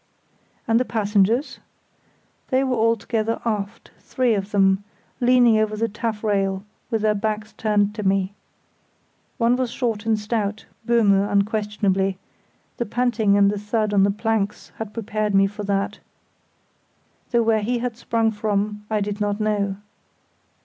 And the passengers? They were all together aft, three of them, leaning over the taffrail, with their backs turned to me. One was short and stout—Böhme unquestionably; the panting and the thud on the planks had prepared me for that, though where he had sprung from I did not know.